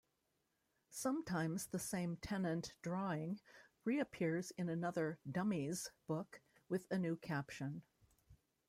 Sometimes the same Tennant drawing reappears in another "Dummies" book with a new caption.